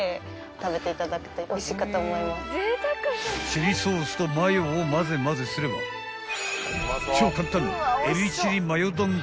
［チリソースとマヨを混ぜ混ぜすれば超簡単］